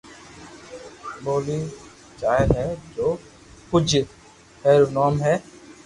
ٻولي جائي ھي جو ڪوجھ ھير رو نوم ھي